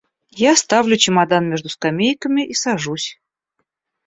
Я ставлю чемодан между скамейками и сажусь.